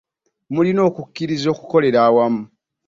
Mulina okukiriza okukolera awamu.